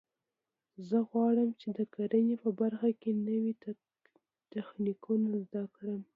زه غواړم چې د کرنې په برخه کې نوي تخنیکونه زده کړم